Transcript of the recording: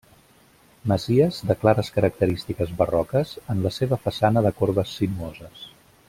Masia de clares característiques barroques en la seva façana de corbes sinuoses.